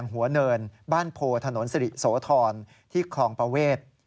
หัวเนินบ้านโพถนนสิริโสธรที่คลองประเวท